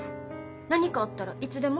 何かあったらいつでも。